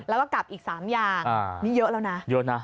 แล้วก็กลับอีก๓อย่างนี้เยอะแล้วนะเยอะนะ